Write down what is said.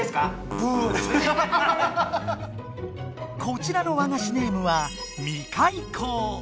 こちらの和菓子ネームは「未開紅」。